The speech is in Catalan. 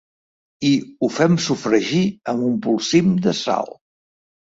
I ho fem sofregir amb un polsim de sal.